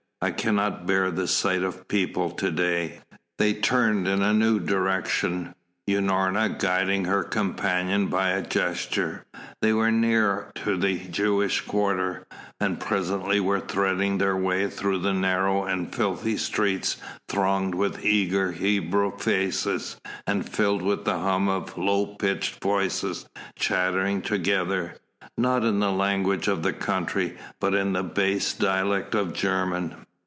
I cannot bear the sight of people to day." They turned in a new direction, Unorna guiding her companion by a gesture. They were near to the Jewish quarter, and presently were threading their way through narrow and filthy streets thronged with eager Hebrew faces, and filled with the hum of low pitched voices chattering together, not in the language of the country, but in a base dialect of German.